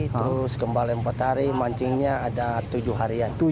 terus kembali empat hari mancingnya ada tujuh harian